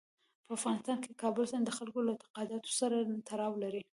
په افغانستان کې کابل سیند د خلکو له اعتقاداتو سره تړاو لري.